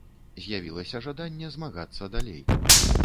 З'яўлялася жаданне змагацца далей.